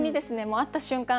もう会った瞬間